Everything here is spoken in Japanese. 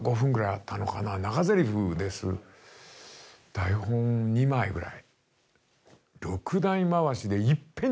台本２枚ぐらい。